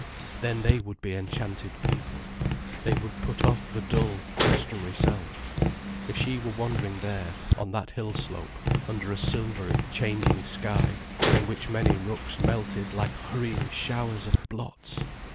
Then they would be enchanted people, they would put off the dull, customary self. If she were wandering there, on that hill slope under a silvery, changing sky, in which many rooks melted like hurrying showers of blots!